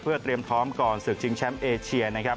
เพื่อเตรียมพร้อมก่อนศึกชิงแชมป์เอเชียนะครับ